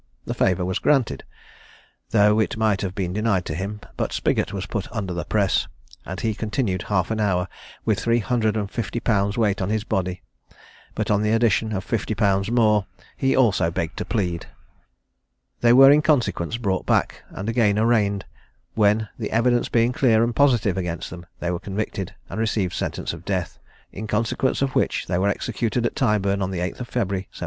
The favour was granted, though it might have been denied to him; but Spiggot was put under the press, and he continued half an hour, with three hundred and fifty pounds' weight on his body; but, on the addition of fifty pounds more, he also begged to plead. They were in consequence brought back, and again arraigned; when, the evidence being clear and positive against them, they were convicted, and received sentence of death; in consequence of which they were executed at Tyburn on the 8th of February, 1721.